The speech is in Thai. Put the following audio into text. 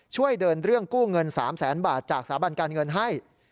ช่วยเดินเรื่องกู้เงิน๓แสนบาทจากสาบันการเงินให้